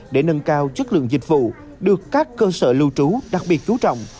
để nâng cao chất lượng dịch vụ được các cơ sở lưu trú đặc biệt chú trọng